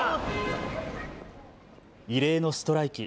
異例のストライキ。